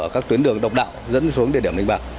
các tuyến đường độc đạo dẫn xuống địa điểm đánh bạc